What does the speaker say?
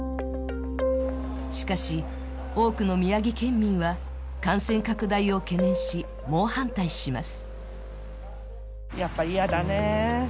しかし多くの宮城県民は感染拡大を懸念し、猛反対します。